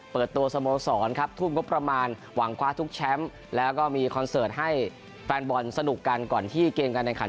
เปิดตัวสโมสรครับทุ่มงบประมาณหวังคว้าทุกแชมป์แล้วก็มีคอนเสิร์ตให้แฟนบอลสนุกกันก่อนที่เกมการแข่งขัน